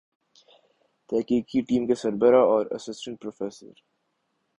تحقیقی ٹیم کے سربراہ اور اسسٹنٹ پروفیسر